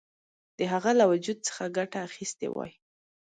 د هغه له وجود څخه ګټه اخیستې وای.